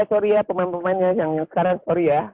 eh sorry ya pemain pemainnya yang sekarang sorry ya